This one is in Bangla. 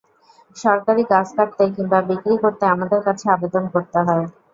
সরকারি গাছ কাটতে কিংবা বিক্রি করতে আমাদের কাছে আবেদন করতে হয়।